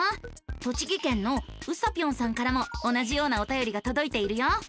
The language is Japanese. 栃木県のうさぴょんさんからも同じようなおたよりがとどいているよ。